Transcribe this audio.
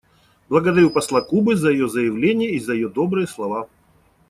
Благодарю посла Кубы за ее заявление и за ее добрые слова.